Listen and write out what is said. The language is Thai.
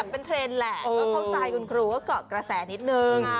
ต้องเป็นเทรนแหลกก็เข้าใจว่าคุณครูกักกระแสนิดนึง